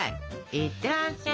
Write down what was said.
いってらっしゃい。